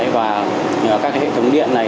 và các hệ thống điện này